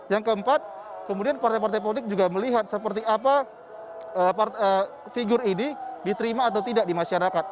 yang keempat kemudian partai partai politik juga melihat seperti apa figur ini diterima atau tidak di masyarakat